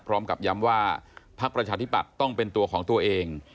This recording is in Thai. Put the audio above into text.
พร้อมกับย้ำว่าพักประชาธิปัตย์ต้องเป็นตัวของตัวเอง